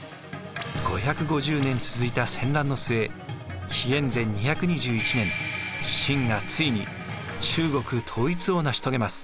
５５０年続いた戦乱の末紀元前２２１年秦がついに中国統一を成し遂げます。